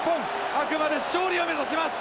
あくまで勝利を目指します！